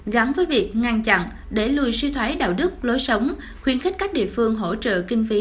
gắn với việc ngăn chặn để lùi suy thoái đạo đức lối sống khuyến khích các địa phương hỗ trợ kinh phí